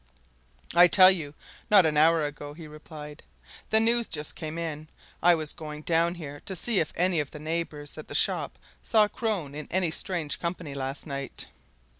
"I tell you, not an hour ago," he replied. "The news just came in. I was going down here to see if any of the neighbours at the shop saw Crone in any strange company last night."